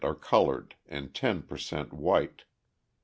are coloured and 10 per cent. white.